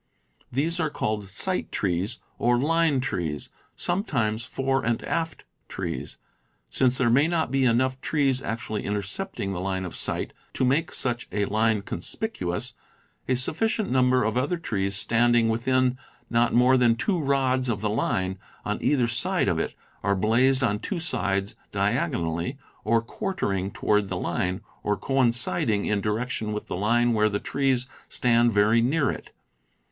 These are called "sight trees" or "line trees" (sometimes "fore and aft trees"). Since there may not be enough trees actually intercepting the line of sight to make such a line conspicuous, a sufficient number of other trees standing within not more than two rods of the line, on either side of it, are blazed on two sides diagonally, or quartering toward the line, or coinciding in direction with the line where the trees stand very near it.